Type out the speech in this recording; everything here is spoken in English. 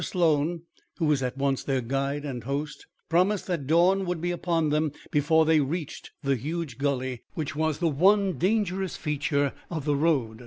Sloan, who was at once their guide and host, promised that dawn would be upon them before they reached the huge gully which was the one dangerous feature of the road.